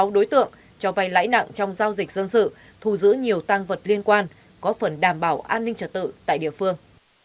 sáu đối tượng cho vay lãi nặng trong giao dịch dân sự thù giữ nhiều tăng vật liên quan góp phần đảm bảo an ninh trật tự tại địa phương